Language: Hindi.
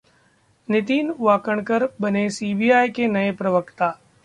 नितिन वाकणकर बने सीबीआई के नए प्रवक्ता